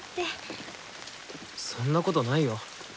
そんなことないよ。